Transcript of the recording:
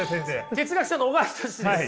哲学者の小川仁志です。